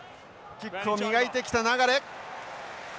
キックを磨いてきた流。